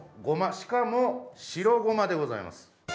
しかも白ごまでございます。